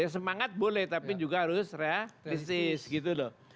semangat boleh tapi juga harus realistis gitu loh